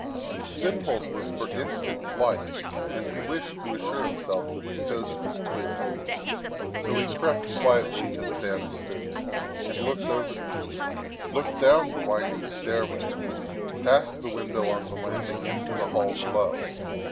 His impulse was for instant flight and he wished to assure himself that the coast was clear. So he crept quietly to the banisters and looked over them; looked down the winding stairway, past the window on the land ing, into the hall below.